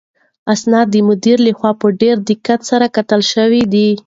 اسناد د مدیر لخوا په ډېر دقت سره کتل شوي دي.